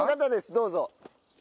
どうぞ。